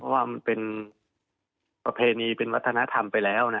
ว่ามันเป็นประเพณีเป็นวัฒนธรรมไปแล้วนะ